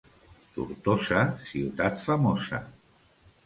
Tortosa, ciutat famosa.